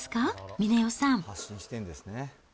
峰代さん。